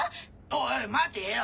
おい待てよ。